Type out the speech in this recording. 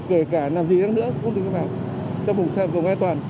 kể cả làm gì nữa cũng đừng có vào trong vùng xanh vùng an toàn